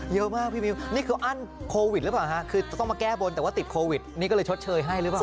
เยอะมากครับพี่มิวนี่คือถ้าการแก้บนแบบติดโควิด๑๙จะชดเชยให้หรือเปล่า